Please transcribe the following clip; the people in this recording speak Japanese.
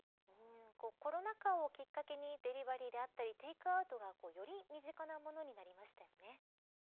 コロナ禍をきっかけにデリバリーであったりテイクアウトがより身近なものになりましたよね。